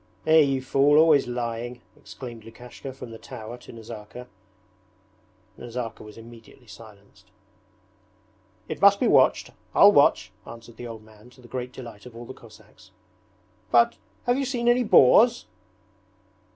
'Eh, you fool, always lying!' exclaimed Lukashka from the tower to Nazarka. Nazarka was immediately silenced. 'It must be watched. I'll watch,' answered the old man to the great delight of all the Cossacks. 'But have you seen any boars?'